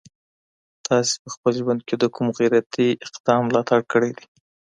تاسي په خپل ژوند کي د کوم غیرتي اقدام ملاتړ کړی دی؟